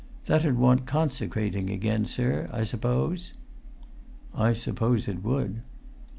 That'd want consecrating again, sir, I suppose?" "I suppose it would."